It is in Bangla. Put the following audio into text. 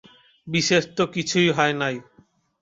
বিশেষ তো কিছুই হয় নাই।